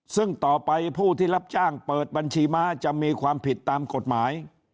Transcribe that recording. ซึ่งต่อไปผู้ที่รับจ้างเปิดบัญชีม้าจะมีความผิดตามกฎหมาย